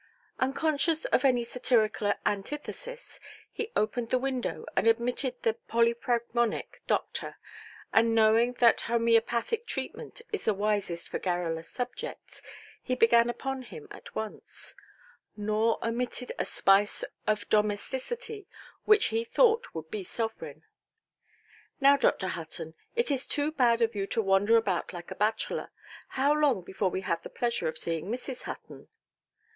Unconscious of any satirical antithesis, he opened the window, and admitted the polypragmonic doctor; and, knowing that homœopathic treatment is the wisest for garrulous subjects, he began upon him at once. Nor omitted a spice of domesticity, which he thought would be sovereign. "Now, Dr. Hutton, it is too bad of you to wander about like a bachelor. How long before we have the pleasure of seeing Mrs. Hutton"?